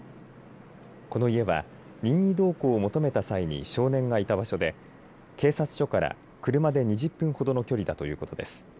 この家は任意同行を求めたさいに少年がいた場所で警察署から車で２０分ほどの距離だということです。